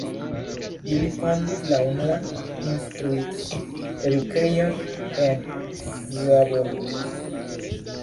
Ili fondis la unuan instruist-edukejon en Szabolcs.